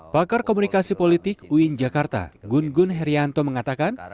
perkomunikasi politik uin jakarta gun gun herianto mengatakan